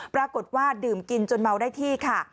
ปรากฏว่าดื่มกินจนเมาได้ที่ค่ะ